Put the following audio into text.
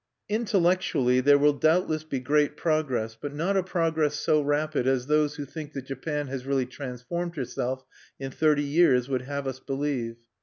Intellectually there will doubtless be great progress, but not a progress so rapid as those who think that Japan has really transformed herself in thirty years would have us believe.